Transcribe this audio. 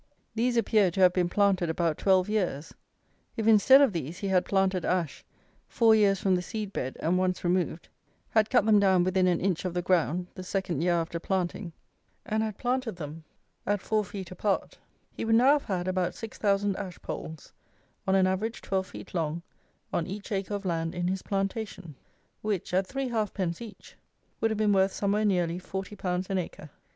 These appear to have been planted about twelve years. If instead of these he had planted ash, four years from the seed bed and once removed; had cut them down within an inch of the ground the second year after planting; and had planted them at four feet apart, he would now have had about six thousand ash poles, on an average twelve feet long, on each acre of land in his plantation; which, at three halfpence each, would have been worth somewhere nearly forty pounds an acre.